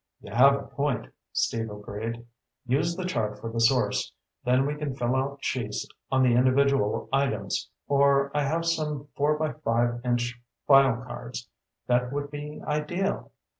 "You have a point," Steve agreed. "Use the chart for the source, then we can fill out sheets on the individual items, or I have some four by five inch file cards that would be ideal."